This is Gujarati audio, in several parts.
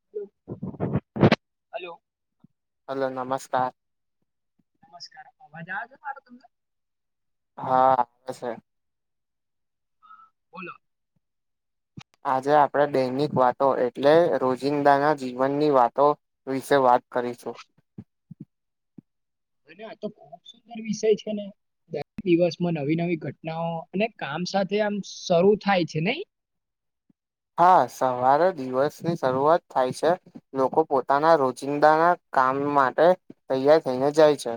હલો હલો નમસ્કાર. નમસ્કાર અવાજજો મારો તમને? હા સે. હ બોલો. આજે આપણેે દૈનિક વાતો એટલે રોજિંદા ના જીવનની વાતો વિશે વા વા કરીશું. અને આ તો ખુબ સુંદર વિષય છે ને દરેક દિવસમાં નવી નવી ઘટનાઓ અને કામ આમ સાથે આમ શરૂ થાય છે. નહી હા સવારે દિવસની શરૂઆત થાય છે. લોકો પોતાના રોજિંદાના કામ માટે તૈયાર થઈને જાય છે.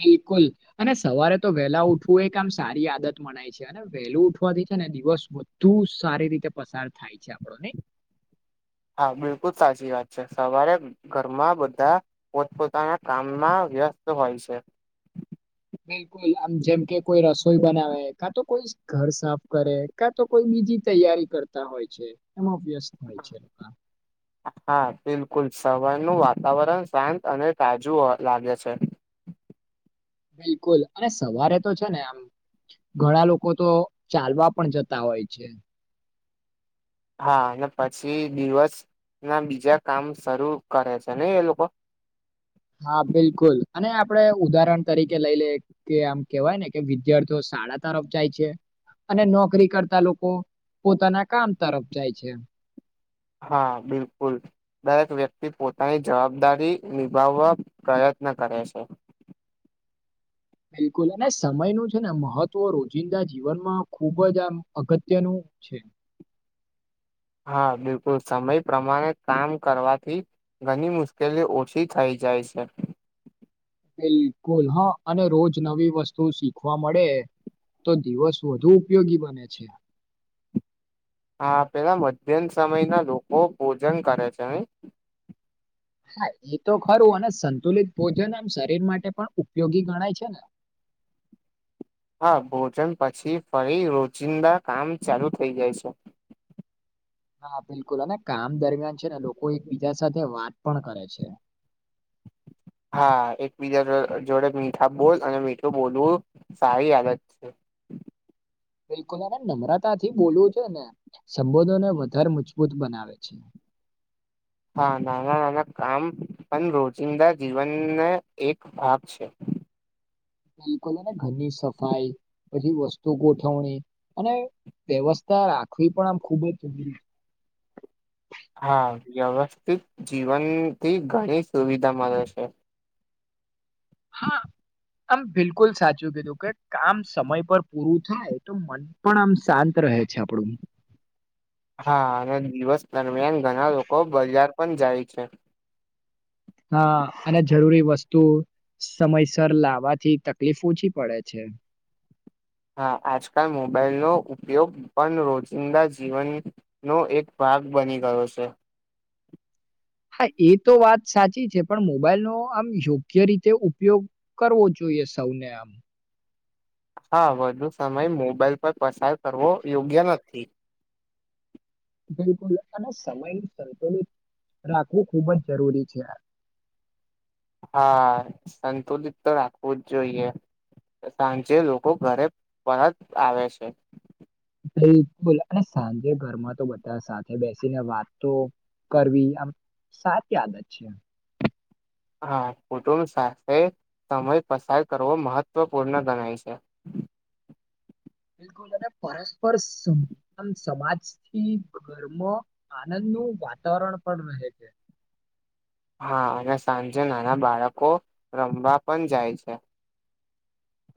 બિલકુલ અને સવારે તો વહેલા ઉઠવું એક આમ સારી આદત મનાય છે અને વહેલું ઉઠવાથી છે. ને દિવસ બુ સારી રીતે પસાર થાય છે આપણો ને [inaudible] હા બિલકુલ સાચી વાત છે સવારે ઘરમાં બધા પોતપોતાના કામમાં વ્યસ્ત હોય છે. બિલકુલ આમ જેમ કે કોઈ રસોઈ બનાવે કા તો કોઈ ઘર સાફ કરે કા તો કોઈ બીજી તૈયારી કરતા હોય છે એમાં વ્યસ્ત હોય છે. [inaudible] હા બિલકુલ સવારનું વાતાવરણ શાંત અને તાજું લાગે છે. હમ બિલકુલ અને સવારે તો છે ને આમ ઘણા લોકો તો ચાલવા પણ જતા હોય છે હા અને પછી દિવસ ના બીજા કામ શરૂ કરે છે ને એ લોકો હા બિલકુલ અને આપડ ઉદાહરણ તરીકે લઈ લઈએ કે આમ કેવાય ને કે વિદ્યાર્થીઓ સાડા તરફ જાય છે અને નોકરી કરતા લોકો પોતાના કામ તરફ જાય છે હા બિલકુલ દરેક વ્યક્તિ પોતાની જવાબદારી નિભાવવા પ્રયત્ રયત્ન કરે છે બિલકુલ અને સમય ન છે ને મહત્વ રોજિંદા જીવનમાં ખુબ જ આમ અગત્યનું છે. હા બિલકુલ સમય પ્રમાણે કામ કરવાથી ઘણી મુશ્કેલી ઓછી થઈ જાય છે. બિલકુલ હા અને રોજ નવી વસ્તુ શીખવા મળે તો દિવસ વધુ ઉપયોગી બને છે. [inaudible] હા પેલા મધ્યમ સમય ના લોકો ભોજન કરે છે નઈ હા એ તો ખરું અને સંતુલિત ભોજન આમ શરીર માટે પણ ઉપયોગી ગણાય છે ને. [inaudible] હા ભોજન પછી ફરી રોજિંદા કામ ચાલુ થઈ જાય છે. હા બિલકુલ અને કામ દરમિયાન છે ને લોકો એકબીજા સાથે વાત પણ કરે છે. [inaudible] હા એકબીજા જો જોડે મીઠા બોલ અને મીઠું બોલવું સારી આદત છે. [inaudible] બિલકુલ નમ્રતા થી બોલવું છે ને સંબોધોને વધારે મજબૂત બનાવે છે. [inaudible] હા નાના નાના કામ પણ રોજિંદા જીવનને એક ભાગ છે. [inaudible] બિલકુલ અને ઘરની સફાઈ પછી વસ્તુ ગોઠવણી અને વ્યવસ્થા રાખવી પણ આમ ખુબ જ [inaudible] હા વ્યવસ્થિત જીવનથી ઘણી સુવિધા મલે છે. હા. આમ બિલકુલ સાચું કીધું કે કામ સમય પર પૂરું થાય તો મન પણ આમ શાંત રહે છે આપડું. [inaudible] હા અને દિવસ દરમિયાન ઘણા લોકો બજાર પણ જાય છે. હા અને જરૂરી વસ્તુ સમયસર લાવવાથી તકલીફ ઓછી પડે છે. [inaudible] હા આજકાલ મોબાઈલનો ઉપયોગ પણ રોજિંદા જીવનનો એક ભા ગ બની ગયો છે. હા એ તો વાત સાચી છે પણ મોબાઈલનો આમ યોગ્ય રીતે ઉપયોગ કરવો જોઈએ સૌને આમ. હા વધુ સમય મોબાઈલ પર પસાર કરવો યોગ્ય નથી. બિલકુલ અને સમય સંતુલિત રાખવું ખૂબ જ જરૂરી છે. હા સંતુલિત તો રાખવું જ જોઈએ. સાંજે લોકો ઘરે પરત આવે છે. બિલકુલ અને સાંજે ઘરમાં તો બધા સાથે બેસીને વાત તો કરવી આમ સાચી આદત છે. હા કુટુંબ સાથે સમય પસાર કરવો મહત્વપૂર્ણ ગણાય છે. બિલકુલ અને પરસ્પર સમ સમાજથી ગર્મ આનંદ નું વાતાવરણ પણ રહે છે. હા અને સાંજે નાના બાળકો રમવા પણ જાય છે.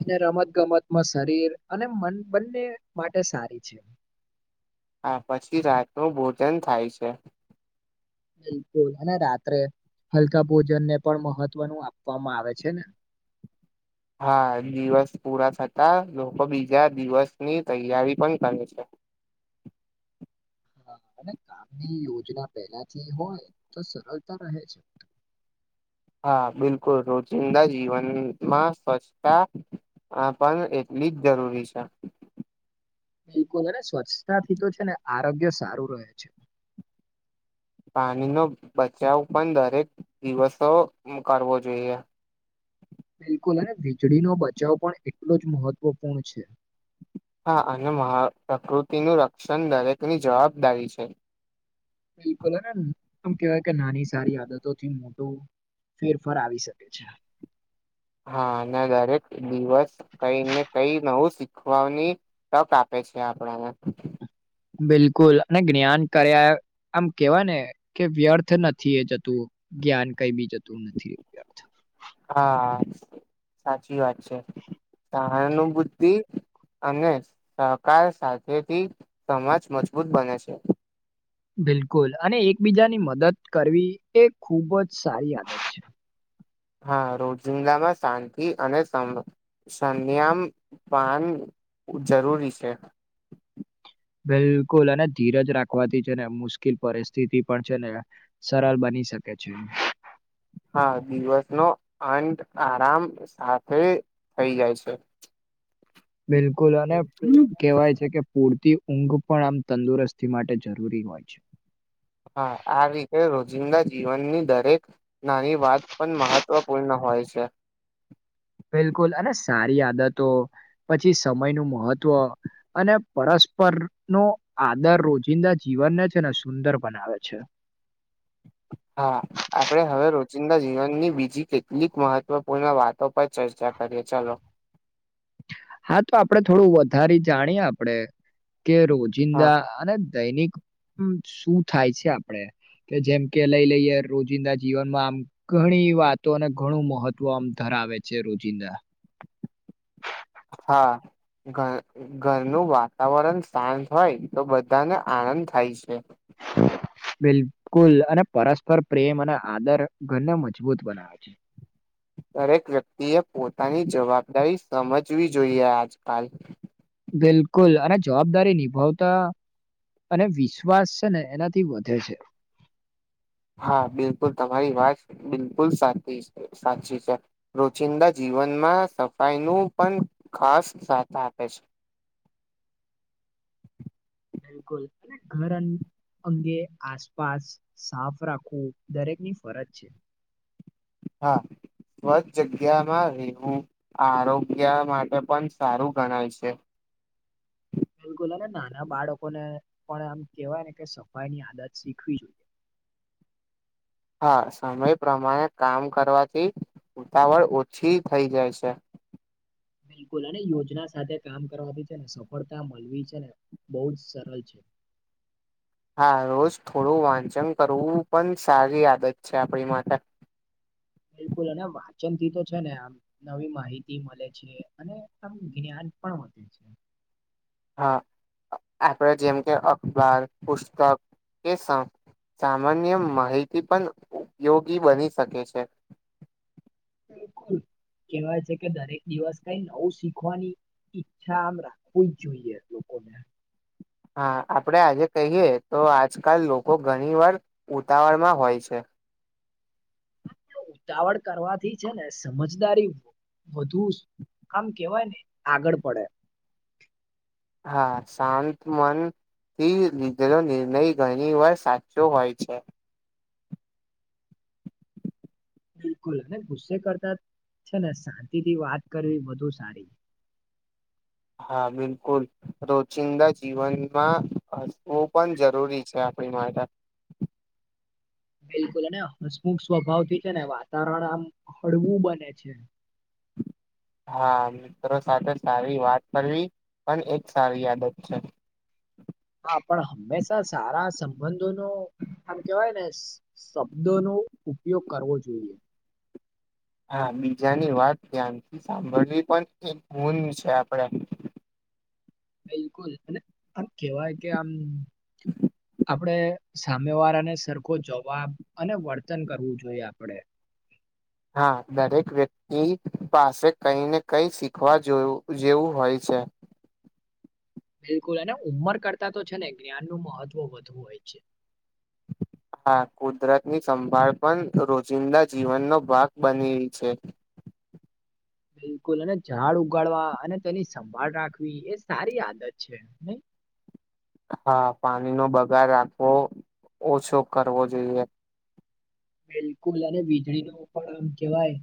અને રમત ગમતમાં શરીર અને મન બંને માટે સારી છે. હા પછી રાત નું ભોજન થાય છે. બિલકુલ અને રાત્રે હલકા ભોજનને પણ મહત્વનું આપવામાં આવે છે ને. [inaudible] હા દિવસ પૂરા થતા લોકો બીજા દિવસની તૈયારી પણ કરે છે. [unintelligible] હા અને કામની યોજના પહેલાથી હોય તો સરળતા રહે છે. હા બિલકુલ રોજિંદા ની જીવનમાં સ્વચ્છતા આ પણ એટલી જ જરૂરી છે. બિલકુલ અને સ્વચ્છતાથી તો છે ને આરોગ્ય સારું રહે છે. પાણીનો બચાવ પણ દરેક દિવસો મુ કરવો જોઈએ. [unintelligible] બિલકુલ અને વીજળીનો બચાવ પણ એટલો જ મહત્વપૂર્ણ છે. હા અને મહ પ્રકૃતિનું રક્ષણ દરેકની જવાબદારી છે. બિલકુલ અને હ આમ કેવાય કે નાની સારી આદતોથી મોટું ફેરફાર આવી શકે છે. હા અને દરેક દિવસ કઈને કઈ નવું શીખવાની તક આપે શે આપણાને બિલકુલ અને જ્ઞાન કર્યા આમ કેવાય ને કે વ્યર્થ નથી એ જતું જ્ઞાન કઈ બી જતું નથી વ્યર્થ હા સાચી વાત છે. સહાનુભૂતિ અને સહકાર સાથેથી સમાજ મજબૂત બને છે. બિલકુલ અને એકબીજાની મદદ કરવી એ ખૂબ જ સારી આદત છે. હા રોજિંદામાં શાંતિ અને સમ સંન્યામ પાન જરૂરી છે. બિલકુલ અને ધીરજ રાખવાથી છે ને મુશ્કેલ પરિસ્થિતિ પણ છે ને સરળ બની શકે છે એમ હા દિવસ નો અંત આરામ સાથે થઈ જાય છે. બિલકુલ અને કેહેવાય છે કે પૂરતી ઊંઘ પણ આમ તંદુરસ્તી માટે જરૂરી હોય છે. હા આ રીતે રોજિંદા જીવનની દરેક નાની વાત પણ મહત્વપૂર્ણ હો હોય છે. બિલકુલ અને સારી આદતો પછી સમય નું મહત્વ અને પરસ્પર નો આદર રોજિંદા જીવનને છે ને સુંદર બનાવે છે. [inaudible] હા આપડે હવે રોજિંદા જીવનની બીજી કેટલીક મહત્વપૂર્ણ વાત તો પચાસ હજાર કરીએ ચલો હા તો આપડે થોડું વધારે જાણીએ આપડે કે હા રોજિંદા અને દૈનિક શું થાય છે આપડે કે જેમ કે લઈ લઈએ રોજિંદા જીવનમાં આમ ઘણી વાતોને ઘણું મહત્વ આમ ધાર આવે છે રોજિંદા હા. ઘ ઘરનું વાતાવરણ શાંત હોય તો બધાને આનંદ થાય છે. બિલકુલ અને પરસ્પર પ્રેમ અને આદર ઘરને મજબૂત બનાવે છે. [inaudible] દરેક વ્યક્તિએ પોતાની જવાબદારી સમજવી જોઈએ આજકાલ બિલકુલ અને જવાબદારી નિભાવતા અને વિશ્વાસ છે ને એનાથી વધે છે. હા બિલકુલ તમારી વાત બિલકુલ સાચી શે સાચી છે. રોચિંદા જીવ જીવનમાં સફાઈનું પણ ખાસ સાથ આપે છે [inaudible] બિલકુલ અને ઘર અંગે આસપાસ સાફ રાખવું દરેકની ફરજ છે. હા. સ્વચ્છ જગ્યામાં રેવું આરોગ્ય માટે પણ સારું ગણાય છે. [inaudible] બિલકુલ અને નાના બાળકોને પણ આમ કેહેવાય ને કે સફાઈ ની આદત શીખવી જોઈએ. [unintelligible] હા સમય પ્રમાણે કામ કરવાથી ઉતાવળ ઓછી થઈ જાય છે. [unintelligible] બિલકુલ અને યોજના સાથે કામ કરવા બી છે ને સફળતા મળવી છે ને બહુ જ સરળ છે. [inaudible] હા રોજ થોડું વાંચન કરવું પણ સારી આદત છે આપણી માટે. [inaudible] બિલકુલ અને વાંચન થી તો છે ને આમ નવી માહિતી મળે છે અને આમ જ્ઞાન પણ મળે. હા. આપડ જેમ કે અખબાર પુસ્તક કે સં સામાન્ય માહિતી પણ ઉપયોગી બની શકે છે. બિલકુલ કેવાય છે કે દરેક દિવસ કઈ નવું શીખવાની ઈચ્છા આમ [inaudible] જ જોઈએ લોકો. [inaudible] હા આપડે આજે કહીયએ તો આજકાલ લોકો ઘણી વાર ઉતાવળ માં હોય છે. [inaudible] [inaudible] ઉતાવળ કરવાથી છે ને સમજદારી વધુ આમ કેવાય ને આગળ પડે. હા શાંત મન થી લીધેલો નિર્ણય ઘણી વાર સાચો હોય છે. બિલકુલ અને ગુસ્સે કરતા છે ને શાંતિ થી વાત કરવી વધુ સારી. [inaudible] હા બિલકુલ રોજિંદા જીવનમાં હસવું પણ જરૂરી છે. [unintelligible] બિલકુલ અને હસમુખ સ્વભાવ થી છે ને વાતાવરણ આમ હળવું બને છે. [inaudible] હા મિત્રો સાથે સારી વાત કરવી પણ એક સારી આદત છે. [unintelligible] હા પણ હંમેશા સારા સંબંધો ન આમ કેવાય ને શબ્દો નો ઉપયોગ કરવો જોઈએ. હા બીજાની વાત ધ્યાનથી સાંભળવી પણ એક [inaudible] છે આપણેે. [unintelligible] બિલકુલ અને આમ કેવાય કે આમ [unintelligible] આપણે સામે વાર અને સરખો જવાબ અને વર્તન કરવું જોઈએ આપડે. હા દરેક વ્યક્તિ પાસે કઈ ને કઈ શીખવા જોવું જેવું હોય છે. છે. બિલકુલ અને ઉંમર કરતા તો છે ને જ્ઞાન નું મહત્વ વધુ હોય છે. હા કુદરતની સંભાળ પણ રોજિંદા જીવનનો ભાગ બની રહી છે. બિલકુલ અને ઝાડ ઉગાડવા અને તેની સંભાળ રાખવી એ સારી આદત છે નઈ? હા પાણીનો બગાર રાવો ઓછો કરવો જોઈએ. બિલકુલ અને વીજળી ન પણ આમ કેવાય.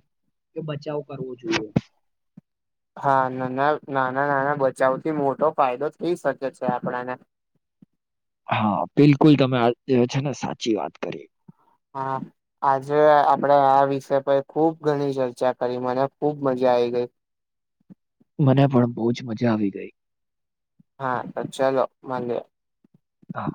કે બચાવ કરવો જોઈએ. હા નાના નાના નાના બચાવ થી મોટો ફાયદો થઈ શકે છે આપણાને. [inaudible] હા બિલકુલ તમે આ જે છે ને સાચી વાત કરી. હા આજે આપડે આ વિષય પર ખુબ ઘણી ચર્ચા કરી મને ખુબ મજા આઈ ગઈ. મને પણ બહુ જ મજા આવી ગઈ. હા તો ચાલો મલીએ. હા.